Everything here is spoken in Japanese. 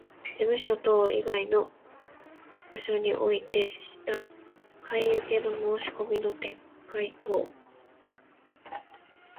事務所等以外の場所においてした買受けの申込みの撤回等